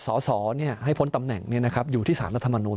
สอให้พ้นตำแหน่งเนี่ยนะครับอยู่ที่ศาลลำนูน